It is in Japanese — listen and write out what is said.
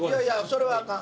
それはあかん！